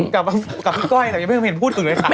กับพี่ก้อยแต่ยังไม่เคยเห็นพูดถึงเลยค่ะ